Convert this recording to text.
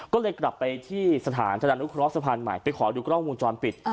ก็เลยกลับไปที่สถานธนานุเคราะห์สะพานใหม่ไปขอดูกล้องวงจรปิด